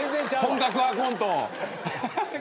本格派コントを。